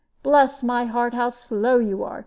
Bless my heart, how slow you are!